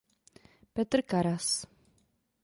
Petr Karas.